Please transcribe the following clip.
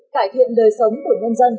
cải thiện đời sống của nhân dân